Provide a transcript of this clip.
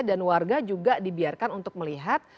dan warga juga dibiarkan untuk melihat